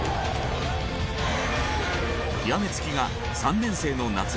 極め付きが３年生の夏。